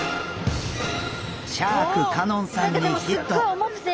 シャーク香音さんにヒット！